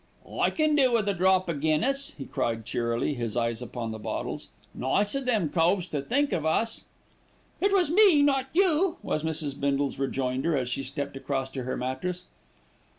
"I can do with a drop o' Guinness," he cried cheerily, his eyes upon the bottles. "Nice o' them coves to think of us." "It was me, not you," was Mrs. Bindle's rejoinder, as she stepped across to her mattress.